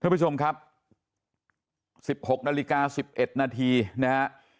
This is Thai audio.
ทุกผู้ชมครับสิบหกนาฬิกาสิบเอ็ดนาทีนะฮะ